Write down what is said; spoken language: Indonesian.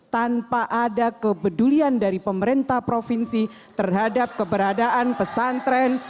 tanpa ada kepedulian dari pemerintah provinsi terhadap keberadaan pesantren